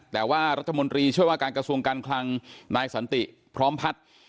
แต่ว่ารัฐมนตรีช่วยว่าการกระทรวงการคลังนายสันติพร้อมพัฒน์